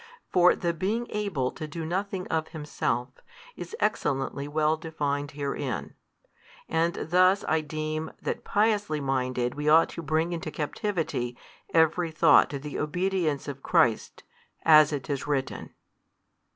For the being able to do nothing of Himself, is excellently well defined herein. And thus I deem that piously minded we ought to bring into captivity every thought to the obedience of Christ, as it is written.